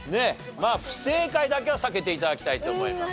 まあ不正解だけは避けて頂きたいと思います。